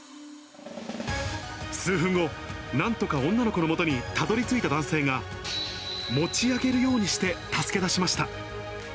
数分後、なんとか女の子のもとにたどりついた男性が、持ち上げるようにして助け出しました。